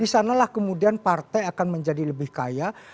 di sana lah kemudian partai akan menjadi lebih kaya